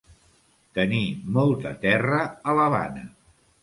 Tenir molta terra a l'Havana.